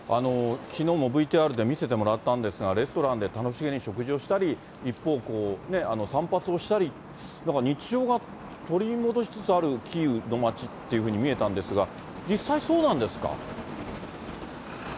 きのうのＶＴＲで見せてもらったんですが、レストランで楽しげに食事をしたり、一方、散髪をしたり、日常が取り戻しつつキーウの街っていうふうに見えたんですが、実際そうなんですか？